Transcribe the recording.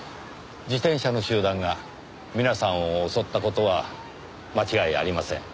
自転車の集団が皆さんを襲った事は間違いありません。